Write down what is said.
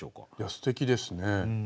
すてきですね